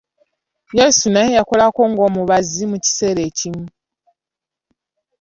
Yesu naye yakolako ng'omubazzi mu kiseera ekimu.